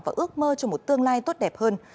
và ước mơ cho một tương lai tốt đẹp hơn